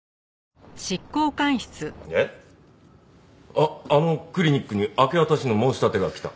ああのクリニックに明け渡しの申し立てが来た？